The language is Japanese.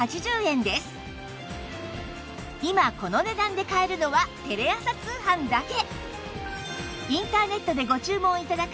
今この値段で買えるのはテレ朝通販だけ